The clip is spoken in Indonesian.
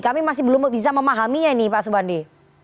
kami masih belum bisa memahaminya nih pak sobandi